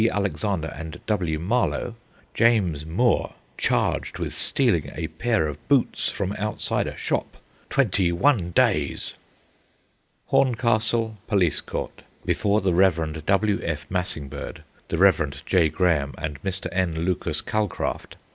Alexander, and W. Marlow. James Moore, charged with stealing a pair of boots from outside a shop. Twenty one days. Horncastle Police Court. Before the Rev. W. F. Massingberd, the Rev. J. Graham, and Mr. N. Lucas Calcraft.